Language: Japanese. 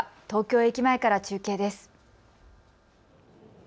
東京駅前から中継です。